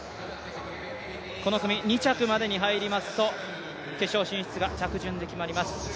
この組２着までに入りますと、決勝進出が着順で決まります。